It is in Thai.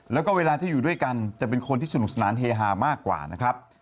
แล้วก็เวลาที่อยู่ด้วยกันจะเป็นคนที่สนุกสนานเฮฮามากกว่านะครับ